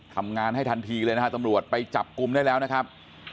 ทำงานให้ทันทีเลยนะฮะตำรวจไปจับกลุ่มได้แล้วนะครับ